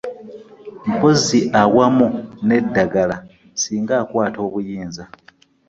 Mpozzi awamu n'eddagala singa akwata obuyinza.